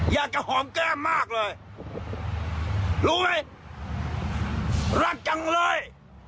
อยากจะหอมแก้มมากเลยรู้ไหมรักจังเลย